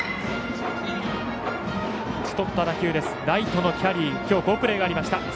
ライトのキャリーきょう好プレーがありました。